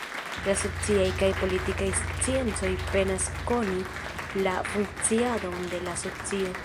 La sociaj kaj politikaj sciencoj penas koni la funkciadon de la socio.